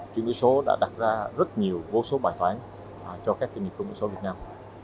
chuyên đối số đã đặt ra rất nhiều vô số bài toán cho các kỹ nghiệp công nghệ số việt nam